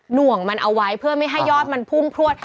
ห่วงมันเอาไว้เพื่อไม่ให้ยอดมันพุ่งพลวด